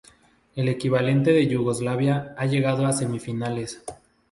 El equipo de Yugoslavia ha llegado a semifinales.